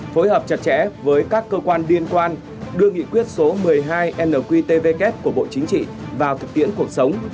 phối hợp chặt chẽ với các cơ quan liên quan đưa nghị quyết số một mươi hai nqtvk của bộ chính trị vào thực tiễn cuộc sống